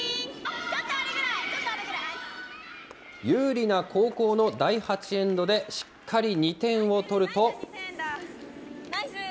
有利な後攻の第８エンドで、しっかり２点を取ると。